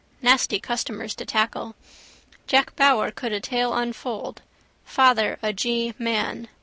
Nasty customers to tackle. Jack Power could a tale unfold: father a G man.